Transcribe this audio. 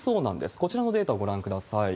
こちらのデータをご覧ください。